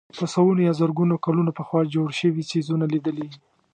په سوونو یا زرګونو کلونه پخوا جوړ شوي څېزونه لیدلي.